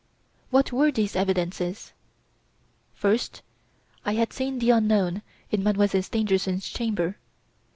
What were these evidences? "1st. I had seen the unknown in Mademoiselle Stangerson's chamber.